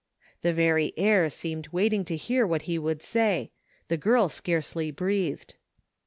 The very air seemed waiting to hear what he would say. The girl scarcely breathed.